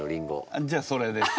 あっじゃあそれです。